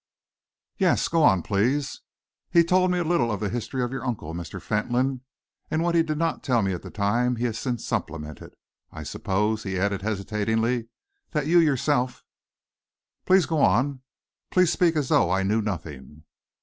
"Yes! Go on, please." "He told me a little of the history of your uncle, Mr. Fentolin, and what he did not tell me at the time, he has since supplemented. I suppose," he added, hesitatingly, "that you yourself " "Please go on. Please speak as though I knew nothing."